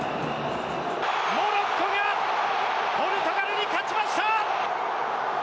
モロッコがポルトガルに勝ちました！